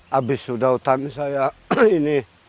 habis sudah utami saya ini